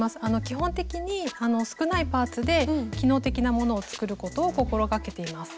基本的に少ないパーツで機能的なものを作ることを心がけています。